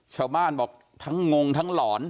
ชาวบ้านบอกทั้งงงทั้งหลอน